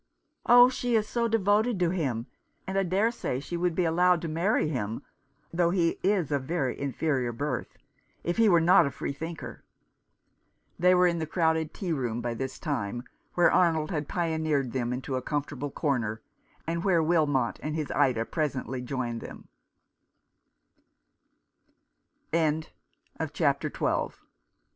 " Oh, she is so devoted to him ; and I dare say she would be allowed to marry him — though he is of very inferior birth — if he were not a free thinker." They were in the crowded tea room by this time, where Arnold had pioneered them into a comfortable corner, and where Wilmot